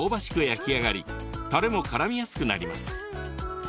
焼き上がりたれもからみやすくなります。